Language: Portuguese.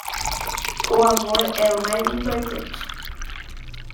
O amor é o mais importante